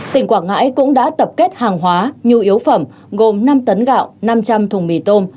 tỉnh quảng ngãi cũng đã tập kết hàng hóa nhu yếu phẩm gồm năm tấn gạo năm trăm linh thùng mì tôm